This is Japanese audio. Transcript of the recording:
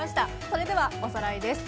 それではおさらいです。